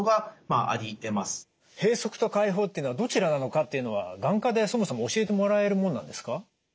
閉塞と解放というのはどちらなのかっていうのは眼科でそもそも教えてもらえるもんなんですか？